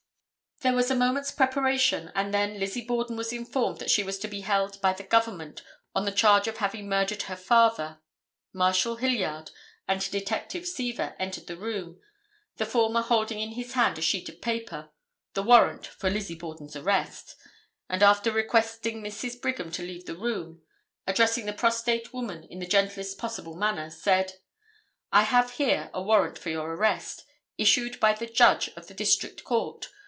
There was a moment's preparation, and then Lizzie Borden was informed that she was held by the Government on the charge of having murdered her father. Marshal Hilliard and Detective Seaver entered the room, the former holding in his hand a sheet of paper—the warrant for Lizzie Borden's arrest—and, after requesting Mrs. Brigham to leave the room, addressing the prostrate woman in the gentlest possible manner, said: "I have here a warrant for your arrest—issued by the judge of the District Court.